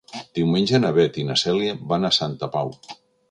Diumenge na Beth i na Cèlia van a Santa Pau.